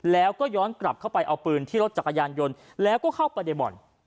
แล้วก็ย้อนกลับเข้าไปเอาปืนที่รถจักรยานยนต์แล้วก็เข้าไปในบ่อน